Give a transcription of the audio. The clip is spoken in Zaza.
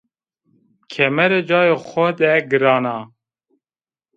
Kemere cayê xo de giran a